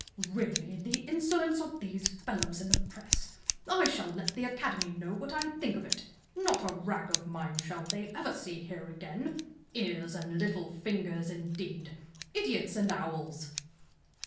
"Really, the insolence of these fellows in the press! I shall let the Academy know what I think of it. Not a rag of mine shall they ever see here again. Ears and little fingers, indeed! Idiots and owls!"